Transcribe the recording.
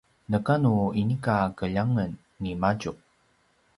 neka nu inika keljangen nimadju